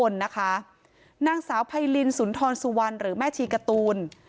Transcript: นางสาวไพรินสุนทรสุวรรณหรือแม่ชีการ์ตูน